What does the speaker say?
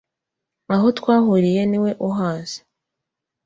Aho twahuriye niwe uhazi